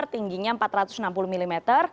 tingginya empat ratus enam puluh mm